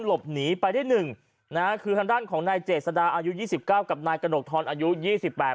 หลบหนีไปได้หนึ่งนะฮะคือทางด้านของนายเจษดาอายุยี่สิบเก้ากับนายกระหนกทรอายุยี่สิบแปด